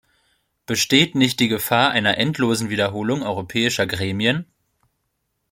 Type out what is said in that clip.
Besteht nicht die Gefahr einer endlosen Wiederholung europäischer Gremien?